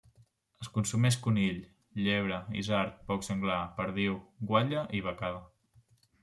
Es consumeix conill, llebre, isard, porc senglar, perdiu, guatlla i becada.